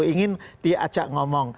ingin diajak ngomong